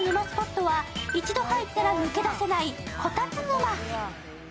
スポットは一度入ったら抜け出せないこたつ沼。